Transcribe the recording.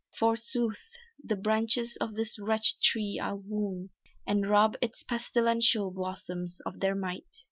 Forsooth, the branches of this wretched tree I'll wound And rob its pestilential blossoms of their might!"